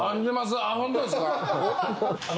あっホントですか？